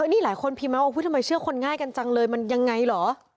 นี่หลายคนพิมพ์มาว่าทำไมเชื่อคนง่ายกันจังเลยมันยังไงเหรอ